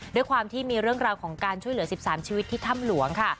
ด้วยความที่มีเรื่องราวของการช่วยเหลือ๑๓ชีวิตที่ถ้ำหลวงค่ะ